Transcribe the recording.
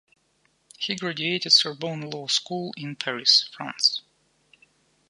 He graduated Sorbonne Law School in Paris, France.